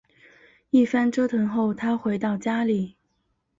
一番折腾后她回到家里